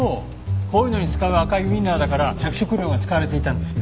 こういうのに使う赤いウィンナーだから着色料が使われていたんですね。